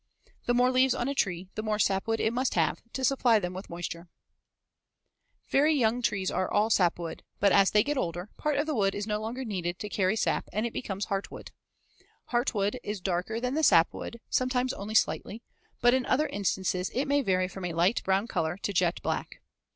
The more leaves on a tree the more sapwood it must have to supply them with moisture. [Illustration: FIG. 144. Pine Wood. (Magnified 30 times.)] Very young trees are all sapwood, but, as they get older, part of the wood is no longer needed to carry sap and it becomes heartwood. Heartwood is darker than the sapwood, sometimes only slightly, but in other instances it may vary from a light brown color to jet black.